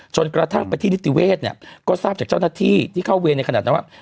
จนกระทั่งไปที่นิติเวศเนี่ยก็ทราบจากเจ้าหน้าที่ที่เข้าเวรในขณะนั้นว่า